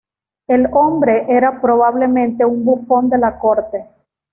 El hombre era probablemente un bufón de la corte.